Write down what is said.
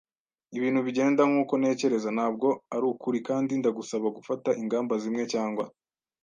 ibintu bigenda, nkuko ntekereza, ntabwo arukuri. Kandi ndagusaba gufata ingamba zimwe cyangwa